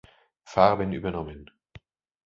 Farben übernommen.